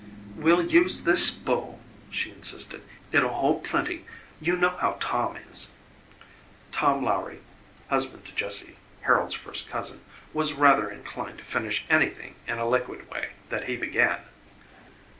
"We'll use this bowl," she insisted. "It'll hold plenty. You know how Tom is." Tom Lowrie, husband to Jessie, Harold's first cousin, was rather inclined to finish anything in a liquid way that he began.